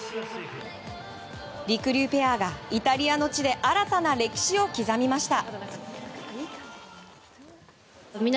りくりゅうペアがイタリアの地で新たな歴史を刻みました。